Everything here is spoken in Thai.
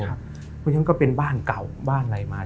เพราะฉะนั้นก็เป็นบ้านเก่าบ้านอะไรมา